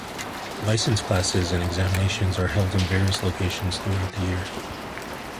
License classes and examinations are held in various locations throughout the year.